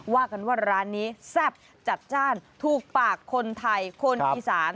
ว่ากันว่าร้านนี้แซ่บจัดจ้านถูกปากคนไทยคนอีสาน